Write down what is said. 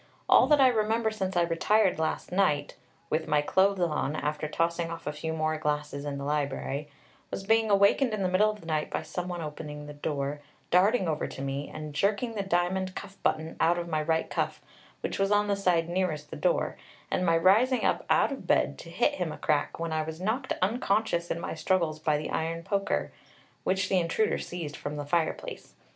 All that I remember since I retired last night, with my clothes on, after tossing off a few more glasses in the library, was being awakened in the middle of the night by some one opening the door, darting over to me, and jerking the diamond cuff button out of my right cuff, which was on the side nearest the door, and my rising up out of bed to hit him a crack, when I was knocked unconscious in my struggles by the iron poker, which the intruder seized from the fireplace.